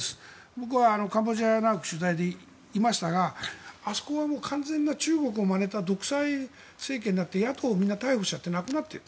僕はカンボジアに長く取材でいましたが、あそこは完全な中国をまねた独裁政権になって野党みんな逮捕してなくなっている。